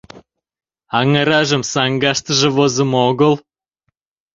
Аҥыражым саҥгаштыже возымо огыл.